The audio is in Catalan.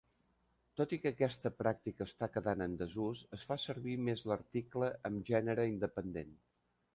Tot i que aquesta pràctica està quedant en desús i es fa servir més l'article amb gènere independent.